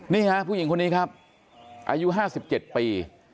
นี่ฮะผู้หญิงคนนี้ครับอายุ๕๗ปี